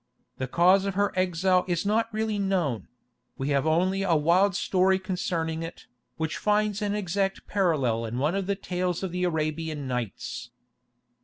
The cause of her exile is not really known: we have only a wild story concerning it, which finds an exact parallel in one of the tales of the "Arabian Nights."